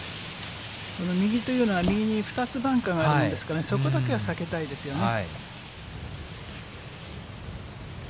この右というのは、右に２つバンカーがあるんですが、そこだけは避けたいですよね。